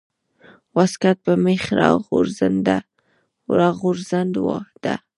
واسکټ په مېخ راځوړند ده